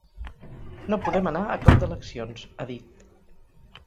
No podem anar a cop d’eleccions, ha dit.